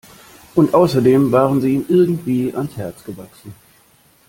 Und außerdem waren sie ihm irgendwie ans Herz gewachsen.